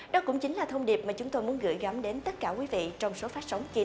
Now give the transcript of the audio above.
đó cũng chính là thông điệp mà chúng tôi muốn gửi gắm đến tất cả quý vị trong số phát sóng